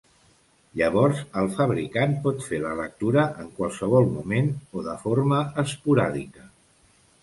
Llavors el fabricant pot fer la lectura en qualsevol moment o de forma esporàdica.